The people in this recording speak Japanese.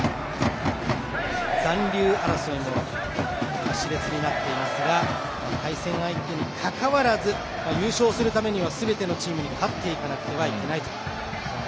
残留争いもしれつになっていますが対戦相手に関わらず優勝するためにはすべてのチームに勝っていかなくてはいけないと。